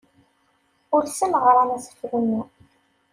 Ulsen ɣran asefru-nni.